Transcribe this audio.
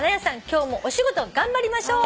今日もお仕事頑張りましょう」